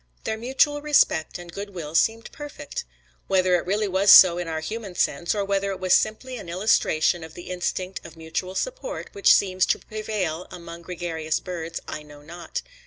Their mutual respect and good will seemed perfect. Whether it really was so in our human sense, or whether it was simply an illustration of the instinct of mutual support which seems to prevail among gregarious birds, I know not.